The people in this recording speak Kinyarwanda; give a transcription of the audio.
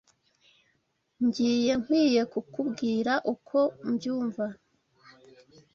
Ngiye nkwiye kukubwira uko mbyumva